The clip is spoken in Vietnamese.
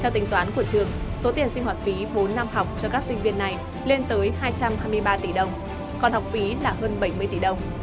theo tính toán của trường số tiền sinh hoạt phí bốn năm học cho các sinh viên này lên tới hai trăm hai mươi ba tỷ đồng còn học phí là hơn bảy mươi tỷ đồng